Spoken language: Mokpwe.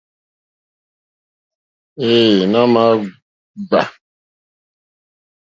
Εε nà ma jgba.